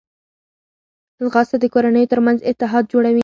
ځغاسته د کورنیو ترمنځ اتحاد جوړوي